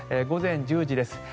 午前１０時です。